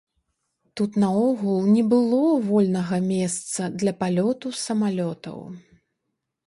Тут наогул не было вольнага месца для палёту самалётаў.